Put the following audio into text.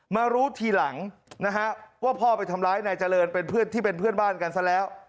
มารู้ทีหลังนะฮะว่าพ่อไปทำร้ายนายเจริญเป็นเพื่อนที่เป็นเพื่อนบ้านกันซะแล้ว